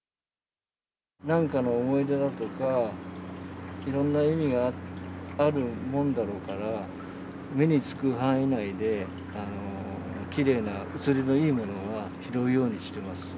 なんかの思い出だとか、いろんな意味があるもんだろうから、目につく範囲内で、きれいな写りのいいものは、拾うようにしてます。